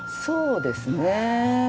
そうですね。